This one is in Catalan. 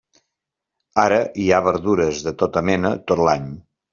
Ara hi ha verdures de tota mena tot l'any.